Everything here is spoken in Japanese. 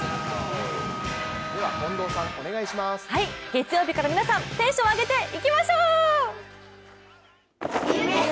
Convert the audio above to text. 月曜日から皆さん、テンション上げていきましょう！